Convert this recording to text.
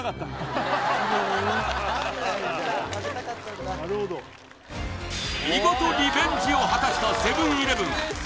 それが見事リベンジを果たしたセブン−イレブン